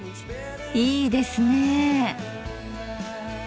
いいですね。